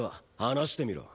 話してみろ。